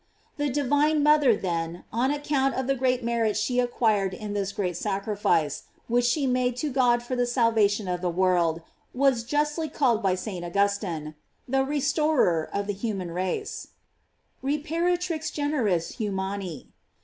The divine mother then, on account of the great merit she acquired in this great sacrifice, which she made to God for the salvation of the world, was justly called by St. Augustine: The restorer of the human race: " Reparatrix generis humani."